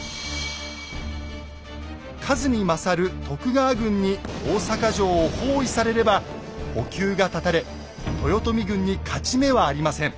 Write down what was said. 数に勝る徳川軍に大坂城を包囲されれば補給が断たれ豊臣軍に勝ち目はありません。